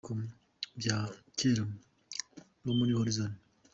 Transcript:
Ibitero by’abatsimbaraye ku bya kera bo muri Arizona.